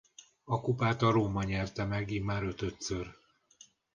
A kupát a Roma nyerte meg immár ötödször.